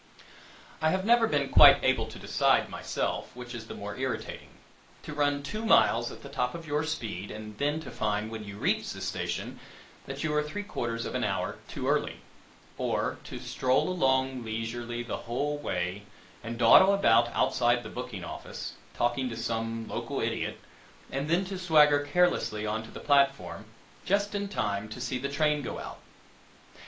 I never have been quite able to decide, myself, which is the more irritating to run two miles at the top of your speed, and then to find, when you reach the station, that you are three quarters of an hour too early; or to stroll along leisurely the whole way, and dawdle about outside the booking office, talking to some local idiot, and then to swagger carelessly on to the platform, just in time to see the train go out!